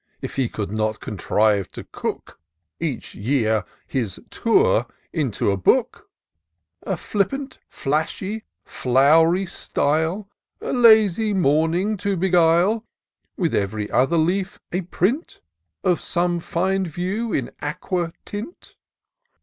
If he did not contrive to cook, Each year, his Tour into a book; A flippant, flashy, flow'ry style, A lazy morning to beguile ; With, every other leaf, a print Of some fine view in aquatint